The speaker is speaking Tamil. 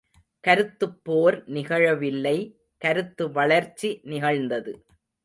கருத்துப் போர் நிகழவில்லை.கருத்து வளர்ச்சி நிகழ்ந்தது.